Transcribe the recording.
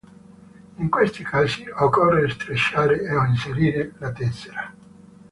In questi casi occorre strisciare o inserire la tessera.